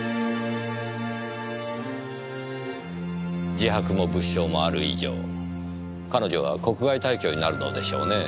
自白も物証もある以上彼女は国外退去になるのでしょうねぇ。